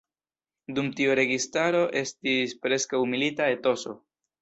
Dum tiu registaro estis preskaŭ milita etoso.